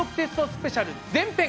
スペシャル前編